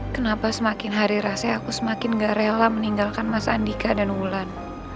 kenapa semakin hari rase aku semakin gak rela meninggalkan mas wulan